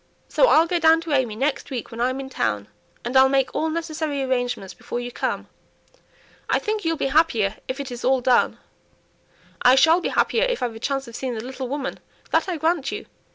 "So I'll go down to AimÄe next week when I'm in town, and I'll make all necessary arrangements before you come. I think you'll be happier if it is all done." "I shall be happier if I've a chance of seeing the little woman, that I grant you.